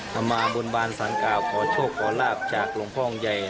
ทำมาบนบานสังกล่าวขอโชคขอลาบจากหลวงพ่อองค์ใหญ่